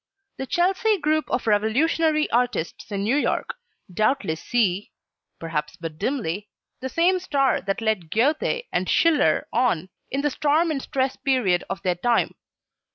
The Chelsea group of revolutionary artists in New York doubtless see, perhaps but dimly, the same star that led Goethe and Schiller on, in the storm and stress period of their time.